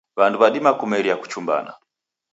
Wandu wadima kumeria kuchumbana.